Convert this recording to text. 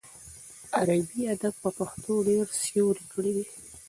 عربي ادب په پښتو ډېر سیوری کړی دی.